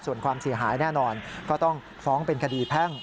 ส่วนความเสียหายแน่นอนก็ต้องฟ้องเป็นคดีแพ่ง